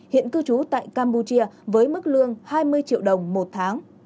hiện cư trú tại campuchia với mức lương hai mươi triệu đồng một tháng